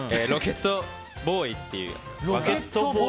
ロケットボーイっていう技を。